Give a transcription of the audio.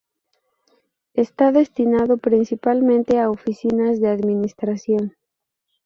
Está destinado principalmente a oficinas de administración.